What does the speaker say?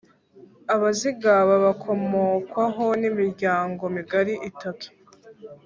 Abazigaba bakomokwaho n’imiryango migari itatu